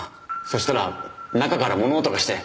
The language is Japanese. そしたら中から物音がして。